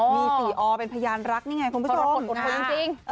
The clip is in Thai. มีสี่ออเป็นพยานรักนี่ไงคุณผู้ชม